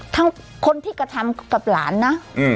ทั้งคนที่กระทำกับหลานนะ